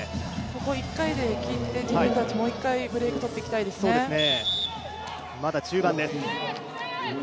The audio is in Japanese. ここ、１回で決めて、自分たちもう１回ブレイク取っていきたいですね。